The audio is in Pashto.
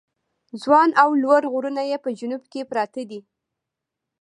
ځوان او لوړ غرونه یې په جنوب کې پراته دي.